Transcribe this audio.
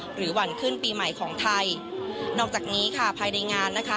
หรือวันขึ้นปีใหม่ของไทยนอกจากนี้ค่ะภายในงานนะคะ